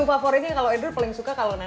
suka apa aja suka tapi suka kayak salmon